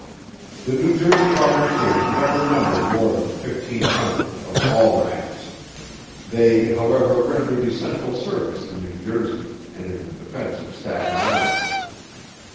The New Jersey Volunteers never numbered more than 1,500, of all ranks. They, however, rendered essential service in New Jersey and in the defence of Staten Island.